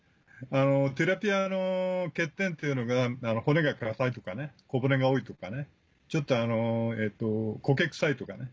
ティラピアの欠点っていうのが骨が硬いとか小骨が多いとかちょっとコケ臭いとか。